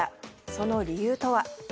その理由とは。